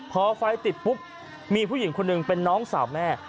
พอไฟติดปุ๊บมีผู้หญิงคนหนึ่งเป็นน้องสาวแม่